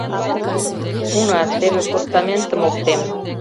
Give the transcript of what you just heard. — Уна, теве постаментым оптем.